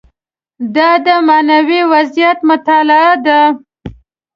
دا د معنوي وضعیت مطالعه ده.